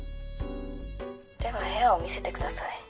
では部屋を見せてください。